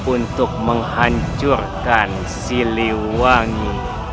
untuk menghancurkan sili wangi